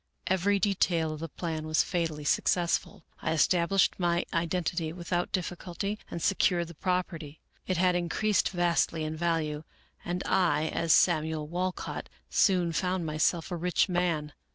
" Every detail of the plan was fatally successful. I estab lished my identity without difficulty and secured the property. It had increased vastly in value, and I, as Samuel Walcott, soon found myself a rich man.